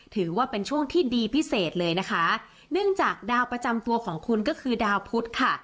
ถือว่าเป็นช่วงที่ดีพิเศษเลยนะคะเนื่องจากดาวประจำตัวของคุณก็คือดาวพุทธค่ะ